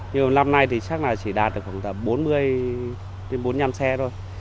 nhưng mà năm nay thì chắc là chỉ đạt được khoảng tầm bốn mươi bốn mươi năm xe thôi